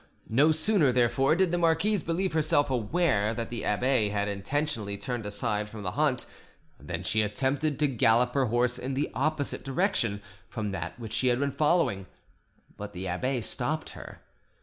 No sooner, therefore, did the marquise believe herself aware that the abbe had intentionally turned aside from the hunt than she attempted to gallop her horse in the opposite direction from that which she had been following; but the abbe stopped her.